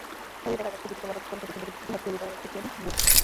ছবিতে দেখা যাচ্ছে দীপিকা পাড়ুকোনকে পেছন থেকে দুহাতে জড়িয়ে ধরে রেখেছেন ভিন।